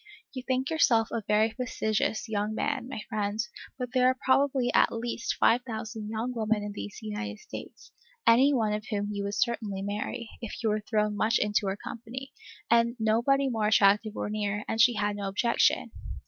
You think yourself a very fastidious young man, my friend; but there are probably at least five thousand young women in these United States, any one of whom you would certainly marry, if you were thrown much into her company, and nobody more attractive were near, and she had no objection.